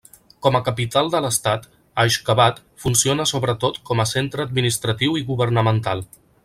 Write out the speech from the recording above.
Com a capital de l'estat, Aixkhabad funciona sobretot com a centre administratiu i governamental.